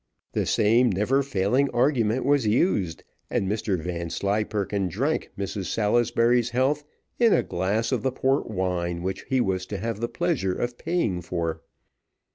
The same never failing argument was used, and Mr Vanslyperken drank Mrs Salisbury's health in a glass of the port wine which he was to have the pleasure of paying for.